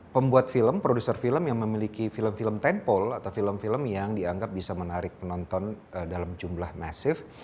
pembuat film produser film yang memiliki film film tenpole atau film film yang dianggap bisa menarik penonton dalam jumlah masif